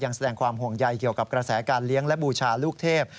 แสดงความห่วงใยเกี่ยวกับกระแสการเลี้ยงและบูชาลูกเทพ